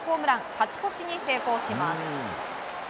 勝ち越しに成功します。